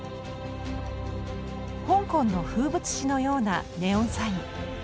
香港の風物詩のようなネオンサイン。